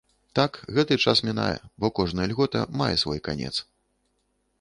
Так, гэты час мінае, бо кожная льгота мае свой канец.